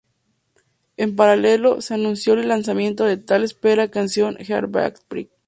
En paralelo, se anunció el lanzamiento de la tan esperada canción Heartbreak.